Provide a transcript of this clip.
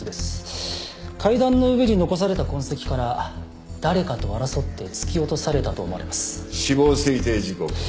階段の上に残された痕跡から誰かと争って突き落とされたと思われます死亡推定時刻は？